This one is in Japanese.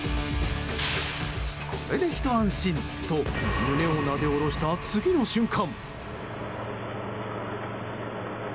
これで、ひと安心と胸をなでおろした次の瞬間。